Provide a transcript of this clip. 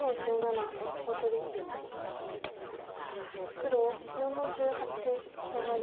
黒４の十八マガリ。